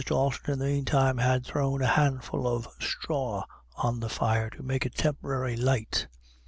Dalton, in the meantime, had thrown a handful of straw on the fire to make a temporary light.